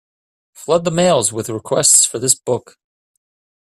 Flood the mails with requests for this book.